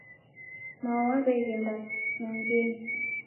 Mao waweghenda kinyangenyi